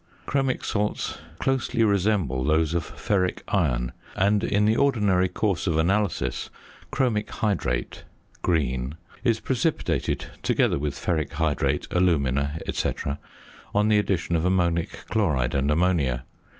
Chromic salts closely resemble those of ferric iron, and in the ordinary course of analysis chromic hydrate (green) is precipitated together with ferric hydrate, alumina, &c., on the addition of ammonic chloride and ammonia.